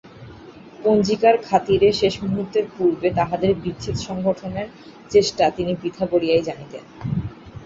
পঞ্জিকার খাতিরে শেষ মুহূর্তের পূর্বে তাহাদের বিচ্ছেদসংঘটনের চেষ্টা তিনি বৃথা বলিয়াই জানিতেন।